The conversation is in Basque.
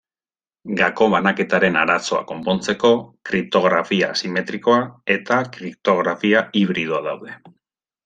Gako banaketaren arazoa konpontzeko kriptografia asimetrikoa eta kriptografia hibridoa daude.